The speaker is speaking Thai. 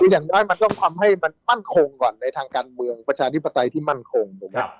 อย่างน้อยมันต้องทำให้มันมั่นคงก่อนในทางการเมืองประชาธิปไตยที่มั่นคง